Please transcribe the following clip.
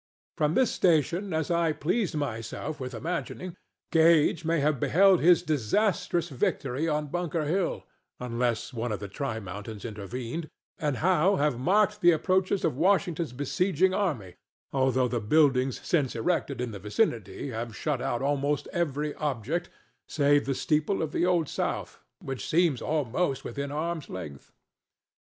From this station, as I pleased myself with imagining, Gage may have beheld his disastrous victory on Bunker Hill (unless one of the tri mountains intervened), and Howe have marked the approaches of Washington's besieging army, although the buildings since erected in the vicinity have shut out almost every object save the steeple of the Old South, which seems almost within arm's length.